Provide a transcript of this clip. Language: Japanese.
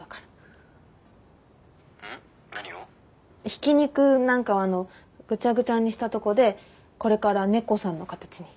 ひき肉なんかをあのぐちゃぐちゃにしたとこでこれから猫さんの形に。